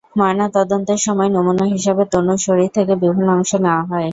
ময়নাতদন্তের সময় নমুনা হিসেবে তনুর শরীর থেকে বিভিন্ন অংশ নেওয়া হয়।